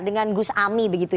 dengan gus ami